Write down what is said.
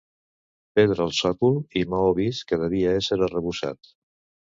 Pedra al sòcol i maó vist que devia ésser arrebossat.